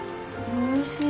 おいしい。